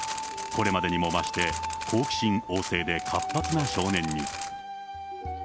これまでにも増して、好奇心旺盛で活発な少年に。